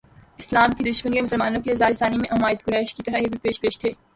اسلام کی دشمنی اورمسلمانوں کی ایذارسانی میں عمائد قریش کی طرح یہ بھی پیش پیش تھے